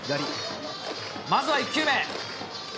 まずは１球目。